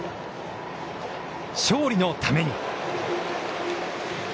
勝利のために。